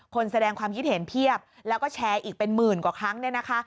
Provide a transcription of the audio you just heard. คนแสดงความคิดเห็นเพียบแล้วก็แชร์อีกเป็นหมื่นกว่าครั้ง